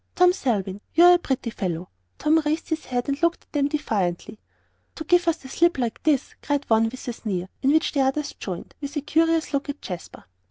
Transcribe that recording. "Tom Selwyn, you're a pretty fellow " Tom raised his head and looked at them defiantly. "To give us the slip like this," cried one, with a sneer, in which the others joined, with a curious look at Jasper.